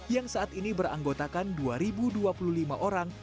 yang saat ini beranggotakan dua dua puluh lima orang